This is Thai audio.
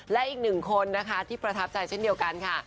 และอีกหนึ่งคนนะคะที่ประทับใจเช่นเดียวกันค่ะ